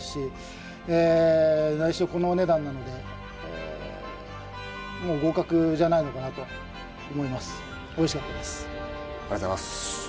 このお値段なのでもう合格じゃないのかなと思います